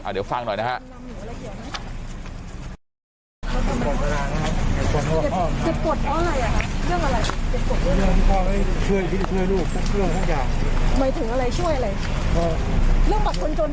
เดี๋ยวฟังหน่อยนะฮะ